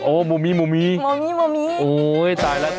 โอ้โฮมูมมี่โอ้โฮตายแล้ว